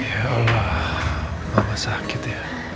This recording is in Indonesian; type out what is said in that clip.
ya allah bapak sakit ya